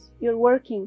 anda bekerja di sini ya